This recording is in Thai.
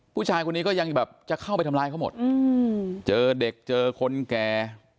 ผู้ชายคนนี้ก็ยังแบบจะเข้าไปทำร้ายเขาหมดเจอเด็กเจอคนแก่